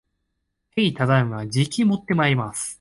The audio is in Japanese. へい、ただいま。じきもってまいります